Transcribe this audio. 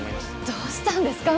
どうしたんですか？